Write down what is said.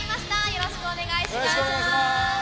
よろしくお願いします。